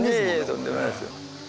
とんでもないですよ。